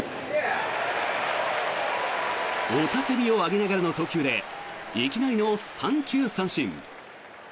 雄たけびを上げながらの投球でいきなりの三球三振。